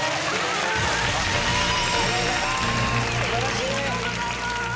ありがとうございます！